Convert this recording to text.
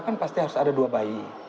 kan pasti harus ada dua bayi